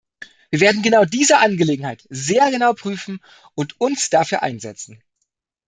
Wir werden diese Angelegenheit sehr genau prüfen und uns dafür einsetzen.